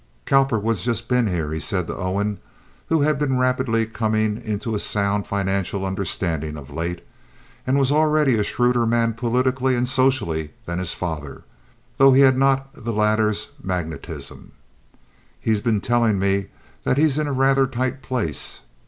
"Cowperwood's just been here," he said to Owen, who had been rapidly coming into a sound financial understanding of late, and was already a shrewder man politically and socially than his father, though he had not the latter's magnetism. "He's been tellin' me that he's in a rather tight place.